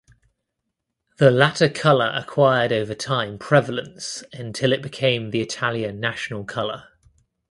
The latter color acquired over time prevalence until it became the Italian national color.